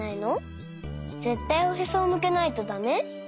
ぜったいおへそをむけないとだめ？